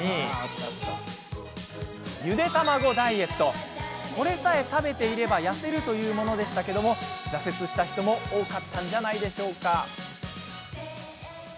他にもこれさえ食べていれば痩せるというものでしたけれども挫折した人も多かったんじゃないですか？